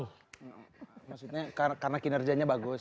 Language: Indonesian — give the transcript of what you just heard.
maksudnya karena kinerjanya bagus